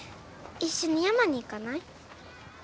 一緒に山に行かない？